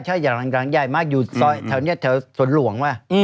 ใช่อย่างใหญ่มากอยู่ซอยแถวนี้แถวสวนหลวงว่ะ